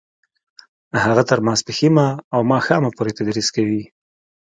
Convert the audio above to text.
هغه تر ماسپښینه او ماښامه پورې تدریس کوي